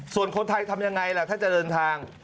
ส่วนคนไทยทำยังไงล่ะถ้าจะเดินทาง